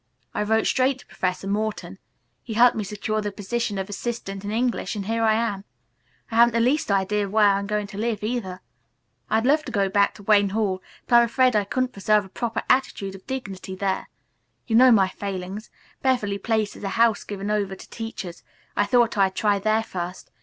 I wrote straight to Professor Morton. He helped me secure the position of assistant in English, and here I am. I haven't the least idea where I'm going to live either. I'd love to go back to Wayne Hall, but I'm afraid I couldn't preserve a proper attitude of dignity there. You know my failings. Beverly Place is a house given over to teachers. I thought I'd try there first.